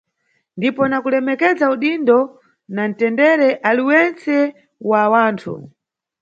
Ndipo na kulemekeza udindo na ntendere uliwentse wa wanthu.